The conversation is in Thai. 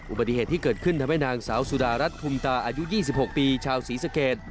อุบัติเหตุที่เกิดขึ้นทำให้นางสาวสุดารัฐทุมตาอายุ๒๖ปีชาวศรีสเกต